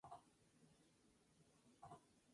Esta fue hecha con indios caribes bautizados.